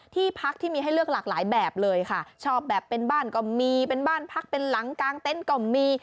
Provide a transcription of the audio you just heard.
ที่พักที่มีให้เลือกหลากหลายแบบเลยค่ะชอบแบบเป็นบ้านก็มีเป็นบ้านพักเป็นหลังกลางเต็นต์ก็มี